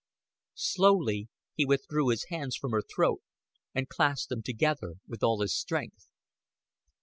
Slowly he withdrew his hands from her throat, and clasped them together with all his strength.